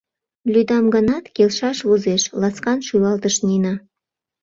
— Лӱдам гынат, келшаш возеш, — ласкан шӱлалтыш Нина.